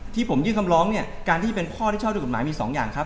ที่ผมยื่นคำร้องเนี่ยการที่จะเป็นข้อที่ชอบด้วยกฎหมายมีสองอย่างครับ